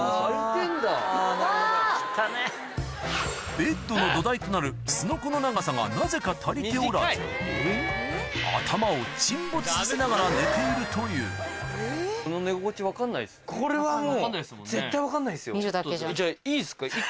ベッドの土台となるすのこの長さがなぜか足りておらず頭を沈没させながら寝ているというこれはもう。